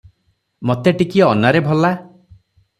ମତେ ଟିକିଏ ଅନାରେ ଭଲା!